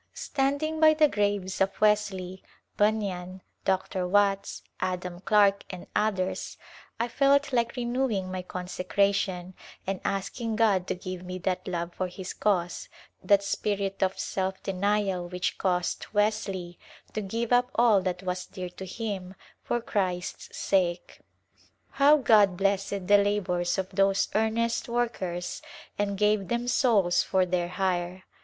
Standing by the graves of Wesley, Bunyan, Dr. Watts, Adam Clarke and others I felt like renewing my consecration and asking God to give me that love for His cause, that spirit of self denial which caused Wesley to give up all that was dear to him for Christ's sake. How God blessed the labors of those earnest workers and gave them souls for their hire